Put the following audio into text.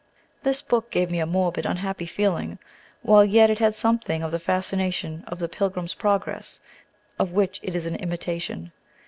This book gave me a morbid, unhappy feeling, while yet it had something of the fascination of the "Pilgrim's Progress," of which it is an imitation.